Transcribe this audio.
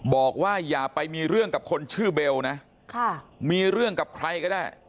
บอกว่าอย่าไปมีเรื่องกับคนชื่อเบลนะมีเรื่องกับใครก็ได้